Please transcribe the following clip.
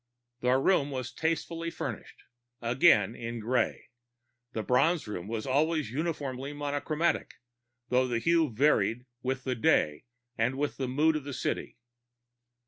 The room was tastefully furnished, again in gray; the Bronze Room was always uniformly monochromatic, though the hue varied with the day and with the mood of the city.